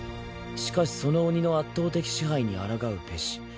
しかしその鬼の圧倒的支配に抗うべし。